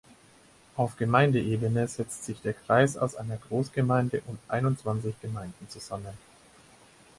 Auf Gemeindeebene setzt sich der Kreis aus einer Großgemeinde und einundzwanzig Gemeinden zusammen.